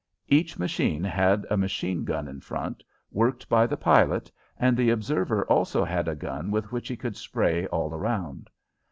Each machine had a machine gun in front, worked by the pilot, and the observer also had a gun with which he could spray all around.